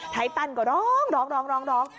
ไทตันก็ร้องร้องร้อง